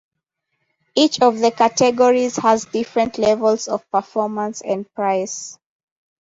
Each of the categories has different levels of performance and price.